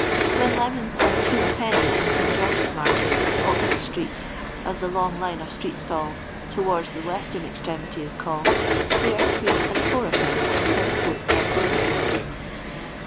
When lemons nre two a pcnny in St. (Jeorge's market, Oxford street, as the long line of street stalls towards the western extremity is called— they nre three and four a penny in Petticoat and Rosemary laues.